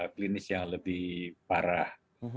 klinis yang lebih parah